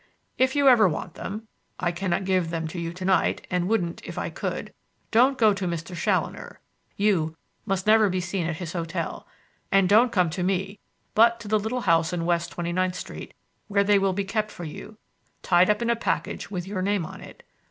If you ever want them I cannot give them to you to night, and wouldn't if I could, don't go to Mr. Challoner you must never be seen at his hotel and don't come to me, but to the little house in West Twenty ninth Street, where they will be kept for you, tied up in a package with your name on it.